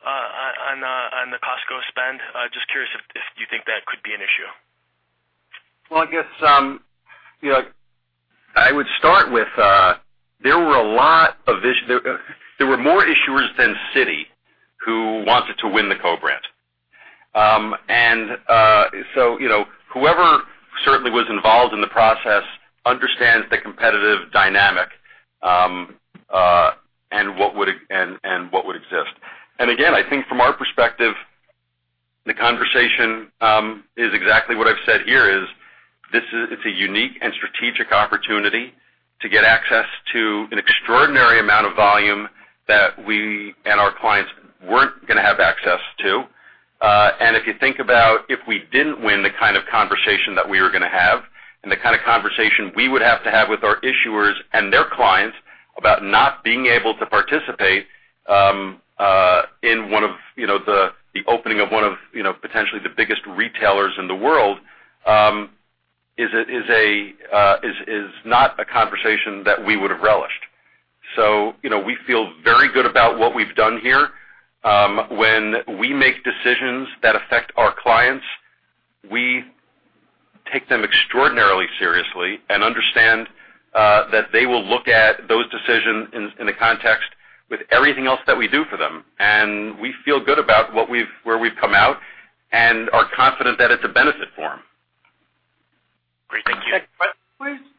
on the Costco spend. Just curious if you think that could be an issue. I guess, I would start with, there were more issuers than Citi who wanted to win the co-brand. Whoever certainly was involved in the process understands the competitive dynamic, and what would exist. Again, I think from our perspective, the conversation is exactly what I've said here is, it's a unique and strategic opportunity to get access to an extraordinary amount of volume that we and our clients weren't going to have access to. If you think about if we didn't win the kind of conversation that we were going to have and the kind of conversation we would have to have with our issuers and their clients about not being able to participate in the opening of one of potentially the biggest retailers in the world, is not a conversation that we would have relished. We feel very good about what we've done here. When we make decisions that affect our clients, we take them extraordinarily seriously and understand that they will look at those decisions in the context with everything else that we do for them, and we feel good about where we've come out and are confident that it's a benefit for them. Great. Thank you. Next question, please.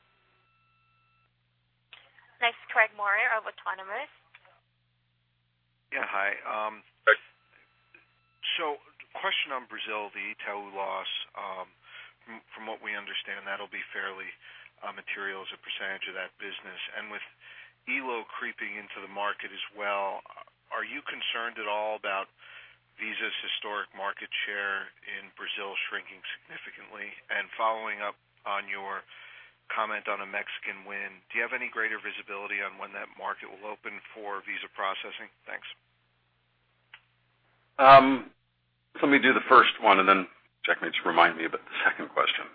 Next, Craig Maurer of Autonomous. Yeah. Hi. Hi. Question on Brazil, the Itaú loss. From what we understand, that will be fairly material as a percentage of that business. With Elo creeping into the market as well, are you concerned at all about Visa's historic market share in Brazil shrinking significantly? Following up on your comment on a Mexican win, do you have any greater visibility on when that market will open for Visa processing? Thanks. Let me do the first one, Jack needs to remind me about the second question.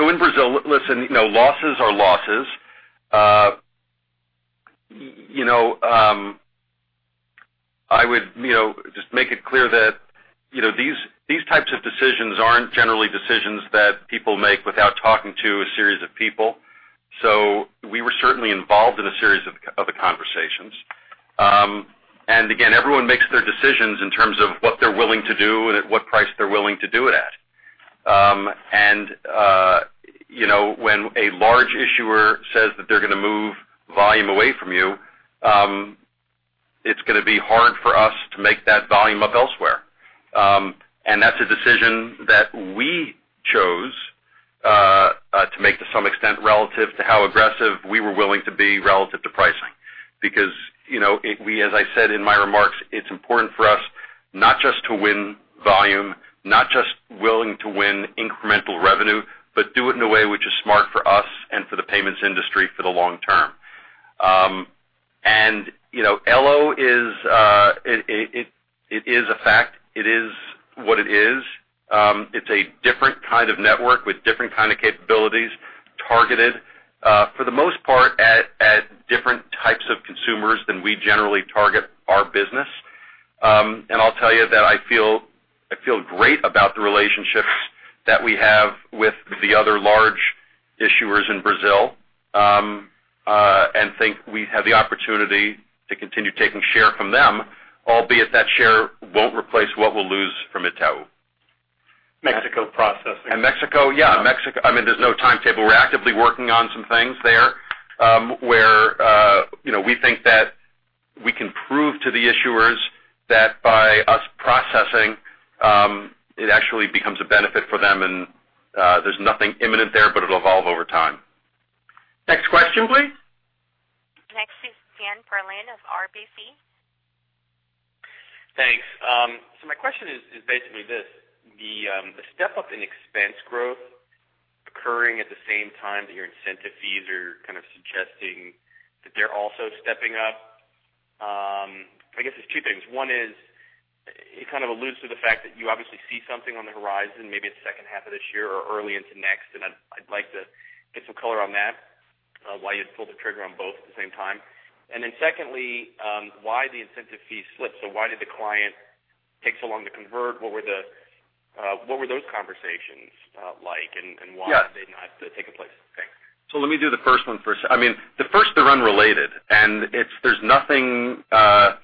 In Brazil, listen, losses are losses. I would just make it clear that these types of decisions aren't generally decisions that people make without talking to a series of people. We were certainly involved in a series of other conversations. Again, everyone makes their decisions in terms of what they're willing to do and at what price they're willing to do it at. When a large issuer says that they're going to move volume away from you, it's going to be hard for us to make that volume up elsewhere. That's a decision that we chose to make to some extent relative to how aggressive we were willing to be relative to pricing. Because as I said in my remarks, it's important for us not just to win volume, not just willing to win incremental revenue, but do it in a way which is smart for us and for the payments industry for the long term. Elo, it is a fact. It is what it is. It's a different kind of network with different kind of capabilities, targeted for the most part at different types of consumers than we generally target our business. I'll tell you that I feel great about the relationships that we have with the other large issuers in Brazil, and think we have the opportunity to continue taking share from them, albeit that share won't replace what we'll lose from Itaú. Mexico processing. Mexico. Yeah. I mean, there's no timetable. We're actively working on some things there, where we think that we can prove to the issuers that by us processing, it actually becomes a benefit for them, and there's nothing imminent there, but it'll evolve over time. Next question, please. Next is Dan Perlin of RBC. Thanks. My question is basically this, the step up in expense growth occurring at the same time that your incentive fees are kind of suggesting that they're also stepping up. I guess there's two things. One is, it kind of alludes to the fact that you obviously see something on the horizon, maybe it's second half of this year or early into next, and I'd like to get some color on that, why you'd pull the trigger on both at the same time. Secondly, why the incentive fee slipped. Why did the client take so long to convert? What were those conversations like and why- Yes did they not take place? Thanks. Let me do the first one first. The first, they're unrelated, and there's nothing that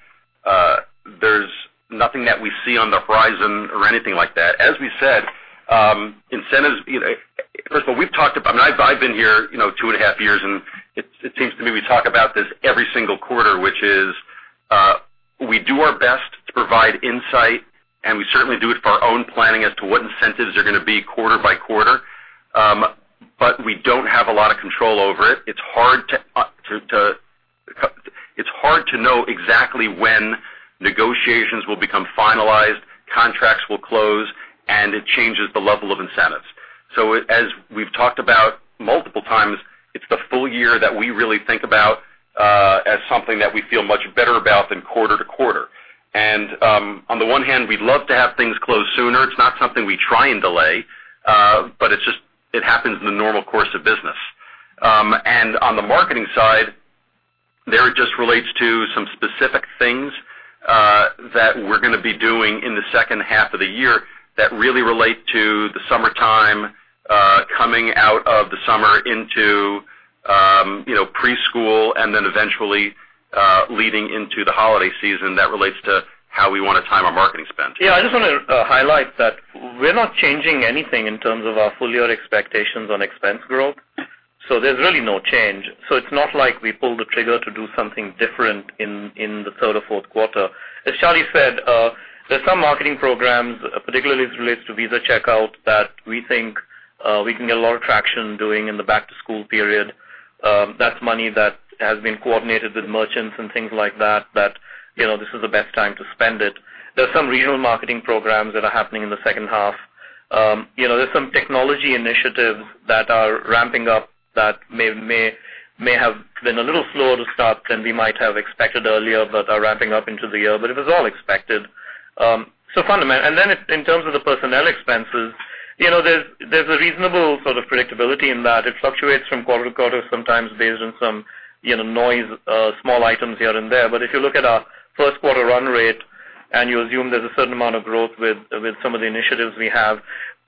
we see on the horizon or anything like that. As we said, incentives, first of all, we've talked about, and I've been here 2 and a half years, and it seems to me we talk about this every single quarter, which is we do our best to provide insight, and we certainly do it for our own planning as to what incentives are going to be quarter by quarter. We don't have a lot of control over it. It's hard to know exactly when negotiations will become finalized, contracts will close, and it changes the level of incentives. As we've talked about multiple times, it's the full year that we really think about as something that we feel much better about than quarter to quarter. On the one hand, we'd love to have things close sooner. It's not something we try and delay. It happens in the normal course of business. On the marketing side, there it just relates to some specific things that we're going to be doing in the second half of the year that really relate to the summertime, coming out of the summer into preschool and then eventually leading into the holiday season that relates to how we want to time our marketing spend. I just want to highlight that we're not changing anything in terms of our full-year expectations on expense growth. There's really no change. It's not like we pulled the trigger to do something different in the third or fourth quarter. As Charlie said, there's some marketing programs, particularly as it relates to Visa Checkout, that we think we can get a lot of traction doing in the back-to-school period. That's money that has been coordinated with merchants and things like that this is the best time to spend it. There's some regional marketing programs that are happening in the second half. There's some technology initiatives that are ramping up that may have been a little slower to start than we might have expected earlier but are ramping up into the year. It was all expected. In terms of the personnel expenses, there's a reasonable sort of predictability in that. It fluctuates from quarter to quarter, sometimes based on some noise, small items here and there. If you look at our first quarter run rate, and you assume there's a certain amount of growth with some of the initiatives we have,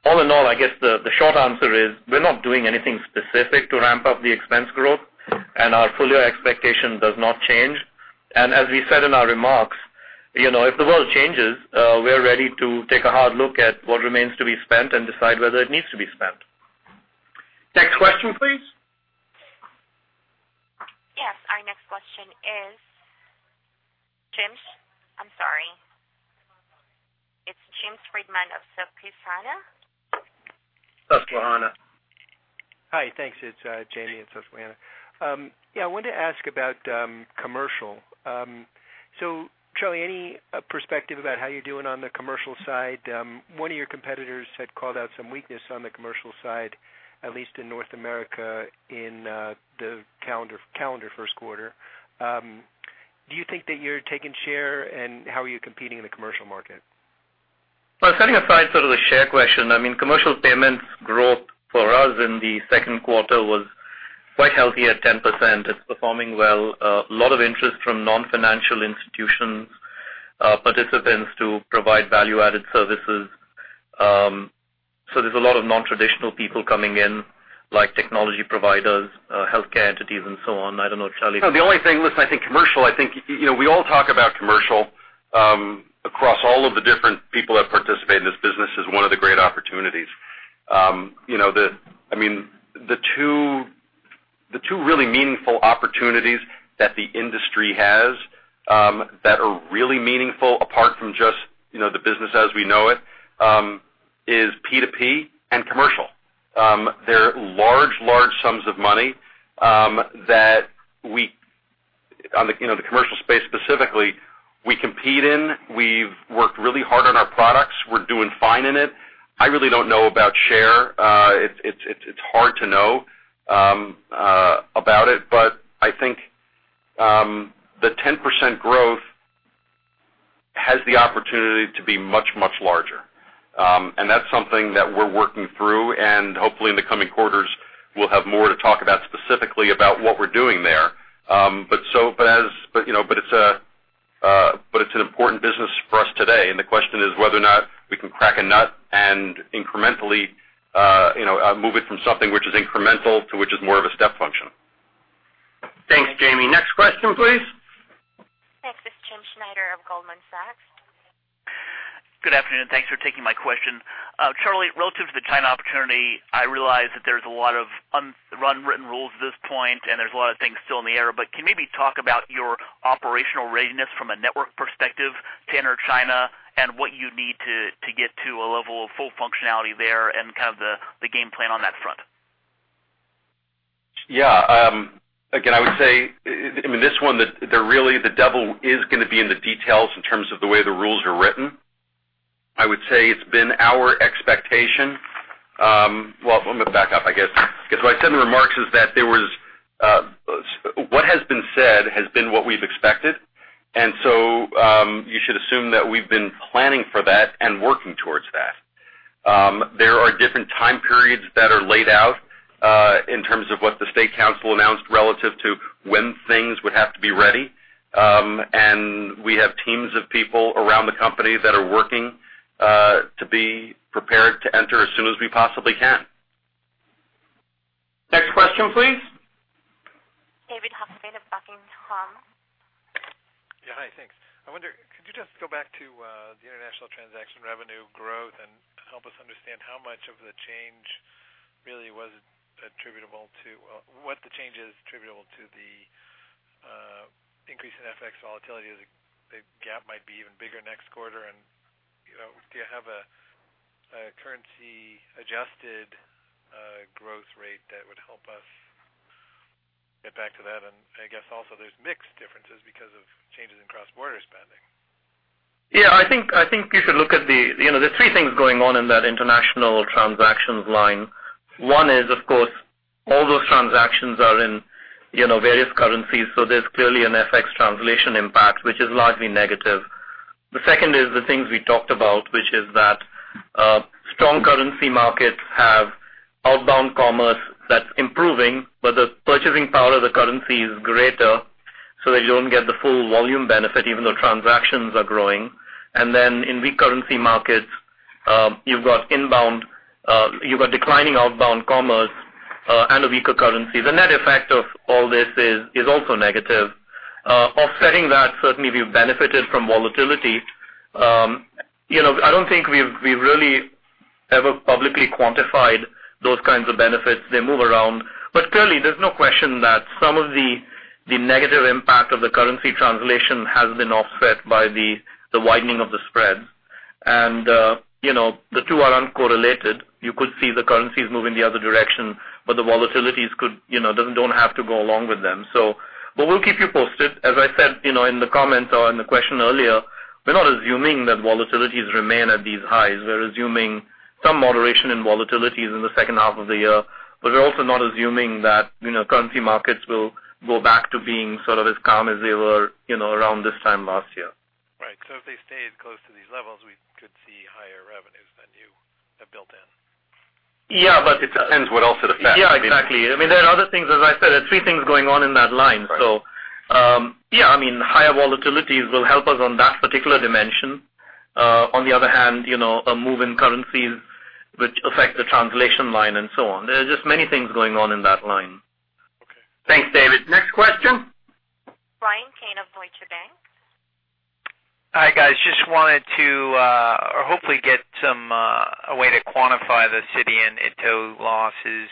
all in all, I guess the short answer is we're not doing anything specific to ramp up the expense growth, and our full-year expectation does not change. As we said in our remarks, if the world changes, we're ready to take a hard look at what remains to be spent and decide whether it needs to be spent. Next question, please. Yes, our next question is James. I'm sorry. It's James Friedman of Susquehanna. Susquehanna. Hi, thanks. It's Jamie at Susquehanna. I wanted to ask about commercial. Charlie, any perspective about how you're doing on the commercial side? One of your competitors had called out some weakness on the commercial side, at least in North America in the calendar first quarter. Do you think that you're taking share, and how are you competing in the commercial market? Well, setting aside sort of the share question, commercial payments growth for us in the second quarter was quite healthy at 10%. It's performing well. A lot of interest from non-financial institutions participants to provide value-added services. There's a lot of non-traditional people coming in, like technology providers, healthcare entities, and so on. I don't know, Charlie. No, the only thing, listen, I think commercial, I think we all talk about commercial across all of the different people that participate in this business as one of the great opportunities. The two really meaningful opportunities that the industry has that are really meaningful apart from just the business as we know it is P2P and commercial. They're large sums of money that we, on the commercial space specifically, we compete in. We've worked really hard on our products. We're doing fine in it. I really don't know about share. It's hard to know about it, I think the 10% growth has the opportunity to be much larger. That's something that we're working through, and hopefully in the coming quarters, we'll have more to talk about specifically about what we're doing there. It's an important business for us today, and the question is whether or not we can crack a nut and incrementally move it from something which is incremental to which is more of a step function. Thanks, Jamie. Next question, please. Next is James Schneider of Goldman Sachs. Good afternoon. Thanks for taking my question. Charlie, relative to the China opportunity, I realize that there's a lot of unwritten rules at this point, and there's a lot of things still in the air, but can you maybe talk about your operational readiness from a network perspective to enter China and what you need to get to a level of full functionality there and kind of the game plan on that front? Yeah. Again, I would say, this one, really the devil is going to be in the details in terms of the way the rules are written. I would say it's been our expectation. Well, I am going to back up, I guess. What I said in the remarks is that what has been said has been what we've expected. You should assume that we've been planning for that and working towards that. There are different time periods that are laid out in terms of what the State Council announced relative to when things would have to be ready. We have teams of people around the company that are working to be prepared to enter as soon as we possibly can. Next question, please. David Hochstim of Buckingham. Yeah. Hi, thanks. I wonder, could you just go back to the international transaction revenue growth and help us understand how much of the change really was attributable to what the change is attributable to the increase in FX volatility, as the gap might be even bigger next quarter. Do you have a currency-adjusted growth rate that would help us get back to that? I guess also there's mix differences because of changes in cross-border spending. I think you should look at the There's three things going on in that international transactions line. One is, of course, all those transactions are in various currencies. There's clearly an FX translation impact, which is largely negative. The second is the things we talked about, which is that strong currency markets have outbound commerce that's improving, but the purchasing power of the currency is greater so that you don't get the full volume benefit, even though transactions are growing. In weak currency markets, you've got declining outbound commerce and a weaker currency. The net effect of all this is also negative. Offsetting that, certainly we've benefited from volatility. I don't think we've really ever publicly quantified those kinds of benefits. They move around. Clearly, there's no question that some of the negative impact of the currency translation has been offset by the widening of the spreads. The two are uncorrelated. You could see the currencies moving the other direction, but the volatilities don't have to go along with them. We'll keep you posted. As I said in the comments or in the question earlier, we're not assuming that volatilities remain at these highs. We're assuming some moderation in volatilities in the second half of the year, but we're also not assuming that currency markets will go back to being sort of as calm as they were around this time last year. Right. If they stayed close to these levels, we could see higher revenues than you have built in. Yeah. It depends what else it affects. Yeah, exactly. There are other things, as I said, there are three things going on in that line. Right. Yeah, higher volatilities will help us on that particular dimension. On the other hand, a move in currencies which affect the translation line and so on. There are just many things going on in that line. Okay. Thanks, David. Next question. Bryan Keane of Deutsche Bank. Hi, guys. Just wanted to hopefully get a way to quantify the Citi and Itaú losses.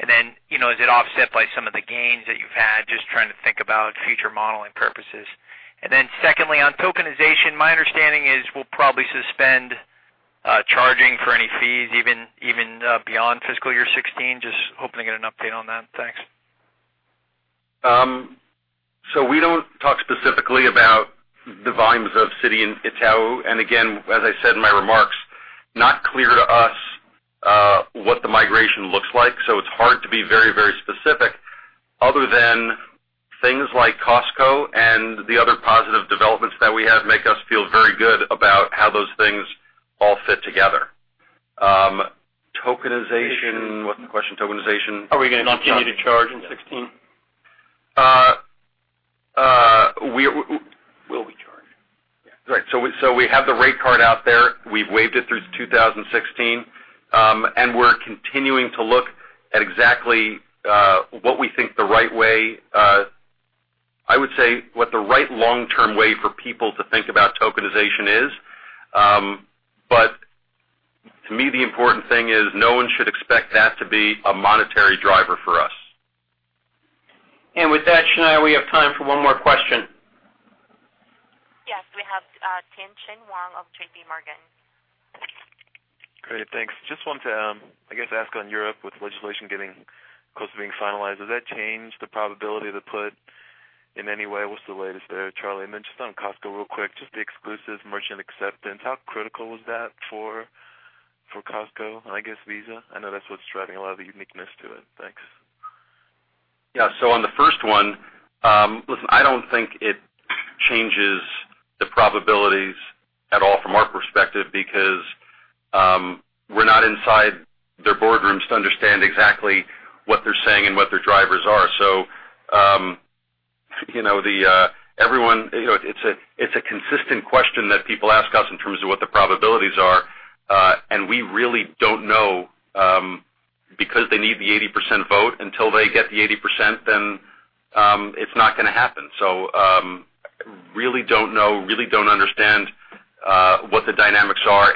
Is it offset by some of the gains that you've had? Just trying to think about future modeling purposes. Secondly, on tokenization, my understanding is we'll probably suspend charging for any fees even beyond fiscal year 2016. Just hoping to get an update on that. Thanks. We don't talk specifically about the volumes of Citi and Itaú. Again, as I said in my remarks, not clear to us what the migration looks like. It's hard to be very specific other than things like Costco and the other positive developments that we have make us feel very good about how those things all fit together. Tokenization, what's the question? Are we going to continue to charge in 2016? We- Will we charge? Right. We have the rate card out there. We've waived it through 2016. We're continuing to look at exactly what we think the right way, I would say, what the right long-term way for people to think about tokenization is. To me, the important thing is no one should expect that to be a monetary driver for us. With that, Shanah, we have time for one more question. Yes. We have Tien-Tsin Huang of JP Morgan. Great. Thanks. Just wanted to ask on Europe with legislation getting close to being finalized. Does that change the probability of the put in any way? What's the latest there, Charlie? Just on Costco real quick, just the exclusive merchant acceptance. How critical was that for Costco and Visa? I know that's what's driving a lot of the uniqueness to it. Thanks. On the first one, listen, I don't think it changes the probabilities at all from our perspective because we're not inside their boardrooms to understand exactly what they're saying and what their drivers are. It's a consistent question that people ask us in terms of what the probabilities are. We really don't know because they need the 80% vote. Until they get the 80%, then it's not going to happen. Really don't know, really don't understand what the dynamics are.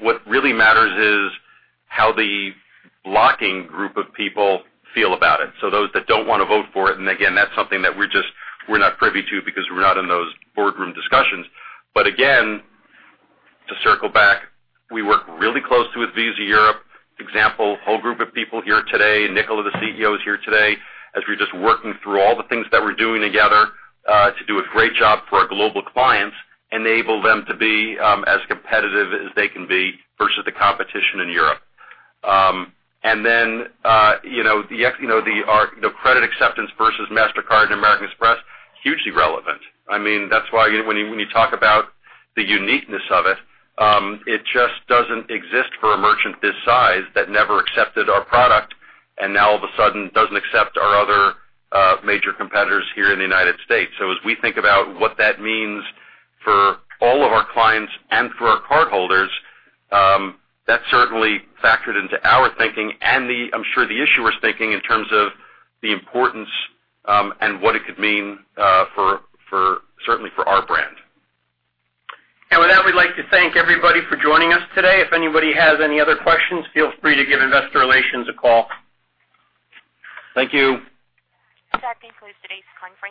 What really matters is how the blocking group of people feel about it. Those that don't want to vote for it, and again, that's something that we're not privy to because we're not in those boardroom discussions. To circle back, we work really closely with Visa Europe. Example, whole group of people here today, Nicola, the CEO, is here today, as we're just working through all the things that we're doing together to do a great job for our global clients, enable them to be as competitive as they can be versus the competition in Europe. The credit acceptance versus Mastercard and American Express, hugely relevant. That's why when you talk about the uniqueness of it just doesn't exist for a merchant this size that never accepted our product and now all of a sudden doesn't accept our other major competitors here in the United States. As we think about what that means for all of our clients and for our cardholders, that certainly factored into our thinking and I'm sure the issuer's thinking in terms of the importance and what it could mean certainly for our brand. With that, we'd like to thank everybody for joining us today. If anybody has any other questions, feel free to give investor relations a call. Thank you. That concludes today's conference.